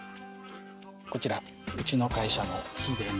こちらうちの会社の。